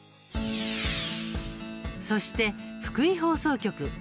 そして、福井放送局。